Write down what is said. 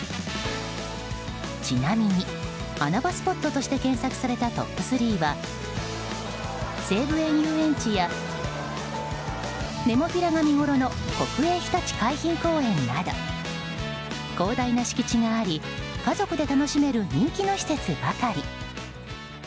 ちなみに穴場スポットとして検索されたトップ３は西武園ゆうえんちやネモフィラが見ごろの国営ひたち海浜公園など広大な敷地があり家族で楽しめる人気の施設ばかり。